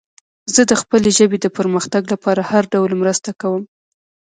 زه د خپلې ژبې د پرمختګ لپاره هر ډول مرسته کوم.